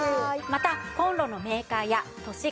またコンロのメーカーや都市